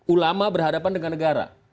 ulama berhadapan dengan negara